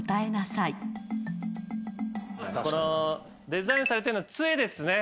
デザインされてるのつえですね。